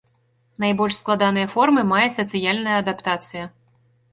Найбольш складаныя формы мае сацыяльная адаптацыя.